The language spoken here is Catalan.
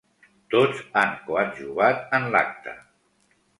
Tots han coadjuvat en l'acte.